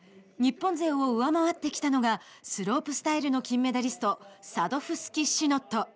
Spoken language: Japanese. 日本勢を上回ってきたのがスロープスタイルの金メダリストサドフスキシノット。